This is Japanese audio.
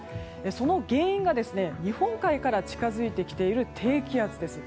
その原因が、日本海から近づいてきている低気圧です。